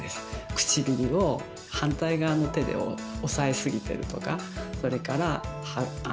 唇を反対側の手で押さえすぎてるとかそれから歯ブラシが痛いとかね。